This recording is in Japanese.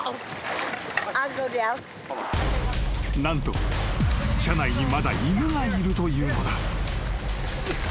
［何と車内にまだ犬がいるというのだ］